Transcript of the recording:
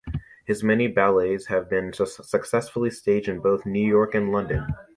His many ballets have been successfully staged in both New York and London.